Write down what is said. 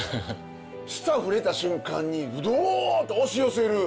舌触れた瞬間にどっと押し寄せる。